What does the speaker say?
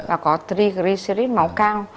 và có triglycerides máu cao